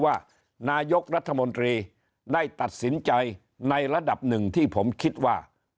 ว่านายกรัฐมนตรีได้ตัดสินใจในระดับหนึ่งที่ผมคิดว่า